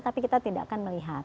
tapi kita tidak akan melihat